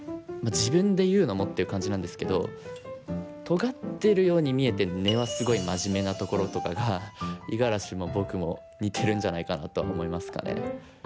自分で言うのもっていう感じなんですけどとがってるように見えて根はすごいマジメなところとかが五十嵐も僕も似てるんじゃないかなとは思いますかね。